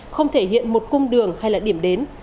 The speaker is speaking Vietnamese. không thể hiện một cung đường hay là điểm đến